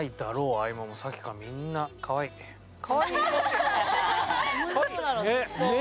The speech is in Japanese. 合間もさっきからみんなかわいいね。ね。ね！